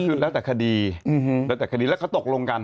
ก็คือแล้วแต่คดีและคดีแล้วก็ตกลงกัน